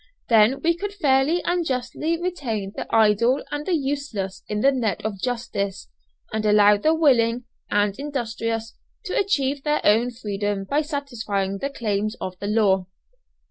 Then we could fairly and justly retain the idle and the useless in the net of justice, and allow the willing and industrious to achieve their own freedom by satisfying the claims of the law.